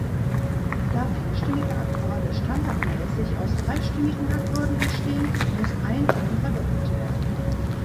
Da vierstimmige Akkorde standardmäßig aus dreistimmigen Akkorden entstehen, muss ein Ton verdoppelt werden.